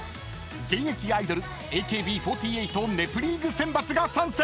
［現役アイドルＡＫＢ４８『ネプリーグ』選抜が参戦！］